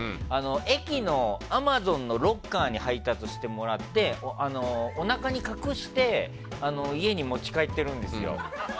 駅のアマゾンのロッカーに配達してもらっておなかに隠して家に持ち帰ってるんですよ。